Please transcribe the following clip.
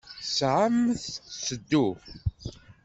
Ssaɛa-m tteddu.